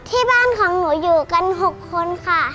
ที่บ้านของหนูอยู่กัน๖คนค่ะ